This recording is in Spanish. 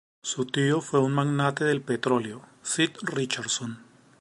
Su tío fue un magnate del petróleo, Sid Richardson.